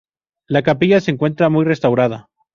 La capilla se encuentra muy restaurada.